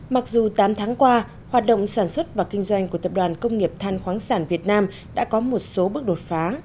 mặc dù tám tháng qua hoạt động sản xuất và kinh doanh của tập đoàn công nghiệp than khoáng sản việt nam đã có một số bước đột phá